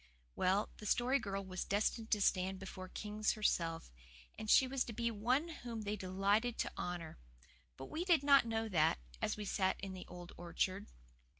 Well, the Story Girl was destined to stand before kings herself, and she was to be one whom they delighted to honour. But we did not know that, as we sat in the old orchard.